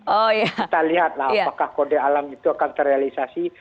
kita lihat lah apakah kode alam itu akan terrealisasi